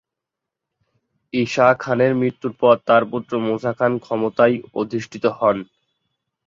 ঈসা খানের মৃত্যুর পর তার পুত্র মুসা খান ক্ষমতায় অধিষ্ঠিত হন।